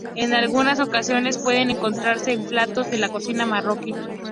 En algunas ocasiones puede encontrarse en platos de la cocina marroquí.